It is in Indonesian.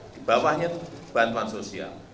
di bawahnya bantuan sosial